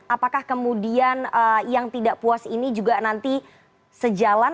apakah kemudian yang tidak puas ini juga nanti sejalan